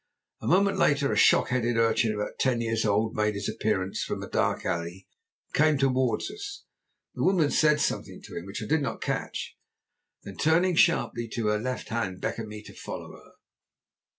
A moment later a shock headed urchin about ten years old made his appearance from a dark alley and came towards us. The woman said something to him, which I did not catch, and then turning sharply to her left hand beckoned to me to follow her.